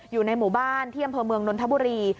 อยู่ในหมู่บ้านที่อำเภอเมืองนนทบุรี